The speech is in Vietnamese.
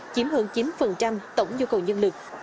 chiếm hơn chín tổng nhu cầu nhân lực